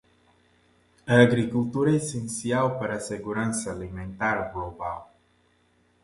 A agricultura é essencial para a segurança alimentar global.